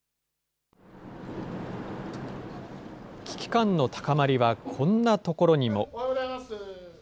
危機感の高まりは、こんな所にも。